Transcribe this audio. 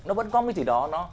nó vẫn có một cái gì đó